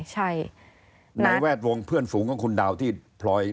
ใช่ในแวดวงเพื่อนฝูงของคุณดาวที่พลอย